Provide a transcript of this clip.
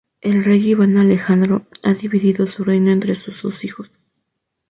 El rey Iván Alejandro ha divido su reino entre sus dos hijos.